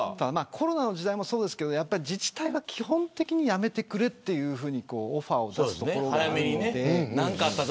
コロナの時代もそうですが自治体は基本的にやめてくれとオファーを出すところはあって